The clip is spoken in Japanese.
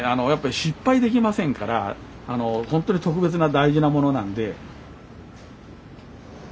やっぱり失敗できませんからほんとに特別な大事なものなんで。